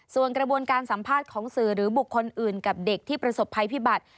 ส่วนกระบวนการสัมภาษณ์ของสื่อหรือบุคคลอื่นกับเด็กที่ประสบภัยพิบัติ